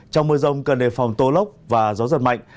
trong mưa rông cần đề phòng tố lốc và gió giật mạnh